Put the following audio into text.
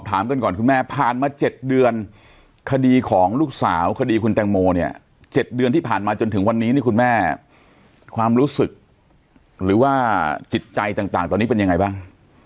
อาจารย์มาจนถึงวันนี้คุณแม่ความรู้สึกหรือว่าจิตใจต่างตอนนี้เป็นยังไงบ้าง